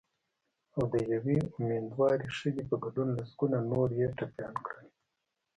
او د یوې امېندوارې ښځې په ګډون لسګونه نور یې ټپیان کړل